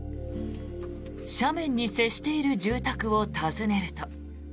斜面に接している住宅を訪ねると。